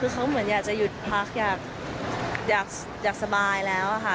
คือเขาเหมือนอยากจะหยุดพักอยากสบายแล้วค่ะ